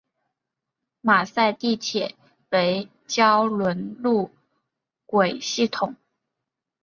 马赛地铁为胶轮路轨系统。